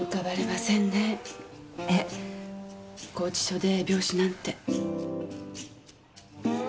拘置所で病死なんて。